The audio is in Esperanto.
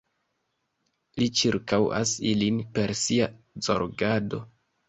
Li ĉirkaŭas ilin per Sia zorgado.